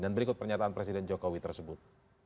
dan berikut pernyataan presiden jokowi tersebut